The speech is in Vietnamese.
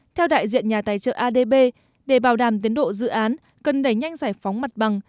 theo đại diện nhà tài trợ adb để bảo đảm tiến độ dự án cần đẩy nhanh giải phóng mặt bằng